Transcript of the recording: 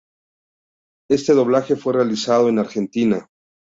Este doblaje fue realizado en Argentina.